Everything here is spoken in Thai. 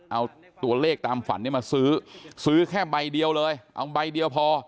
เอาตัวเลขตามฝันเนี่ยมาซื้อซื้อแค่ใบเดียวเลยเอาใบเดียวพอ